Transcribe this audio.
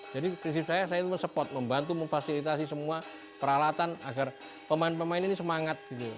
jadi prinsip saya saya itu men support membantu memfasilitasi semua peralatan agar pemain pemain ini semangat